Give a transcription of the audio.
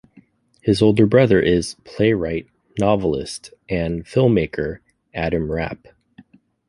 His older brother is playwright, novelist, and filmmaker Adam Rapp.